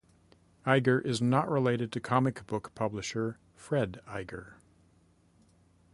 Iger is not related to comic book publisher Fred Iger.